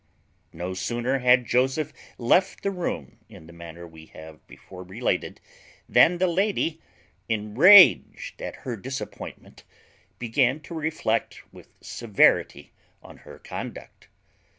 No sooner had Joseph left the room in the manner we have before related than the lady, enraged at her disappointment, began to reflect with severity on her conduct.